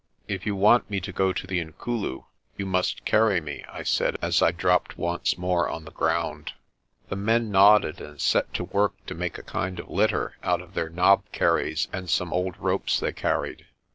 "If you want me to go to the Inkulu, you must carry me," I said, as I dropped once more on the ground. The men nodded and set to work to make a kind of litter out of their knobkerries and some old ropes they carried.